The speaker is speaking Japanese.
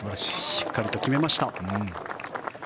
しっかりと決めました。